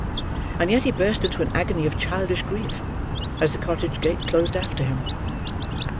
And yet he burst into an agony of childish grief, as the cottage gate closed after him.